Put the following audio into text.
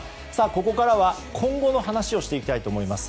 ここからは今後の話をしていきたいと思います。